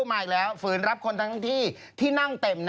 เฮ้ยแล้วมันยืนได้ที่ไหน